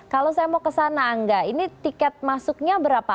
kalau saya mau ke sana angga ini tiket masuknya berapa